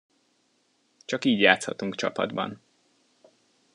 Csak így játszhatunk csapatban!